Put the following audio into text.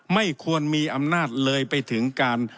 ไม่ควรมีอำนาจเลยไปถึงการ